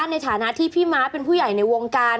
ในฐานะที่พี่ม้าเป็นผู้ใหญ่ในวงการ